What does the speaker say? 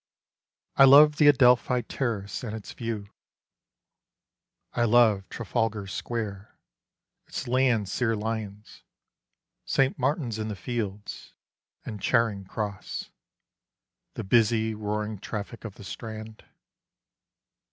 I love the Adelphi Terrace and its view. I love Trafalgar Square, its Landseer Lions, St. Martin's in the Fields, and Charing Cross ; The busy roaring traffic of the Strand.